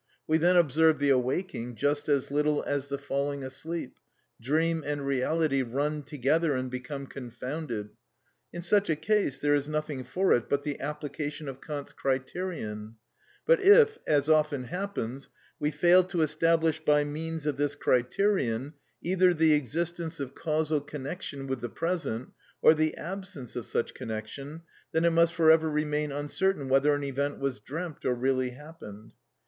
We then observe the awaking just as little as the falling asleep, dream and reality run together and become confounded. In such a case there is nothing for it but the application of Kant's criterion; but if, as often happens, we fail to establish by means of this criterion, either the existence of causal connection with the present, or the absence of such connection, then it must for ever remain uncertain whether an event was dreamt or really happened.